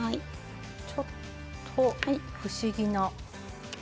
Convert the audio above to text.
ちょっと不思議な。